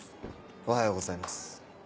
おはようございます。